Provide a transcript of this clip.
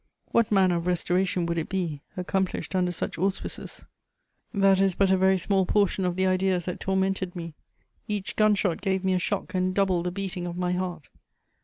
What manner of restoration would it be, accomplished under such auspices?... That is but a very small portion of the ideas that tormented me. Each gun shot gave me a shock and doubled the beating of my heart.